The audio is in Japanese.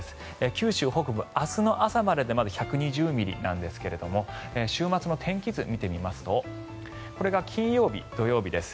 九州北部、明日の朝まででまず１２０ミリなんですが週末の天気図を見てみますとこれが金曜日、土曜日です。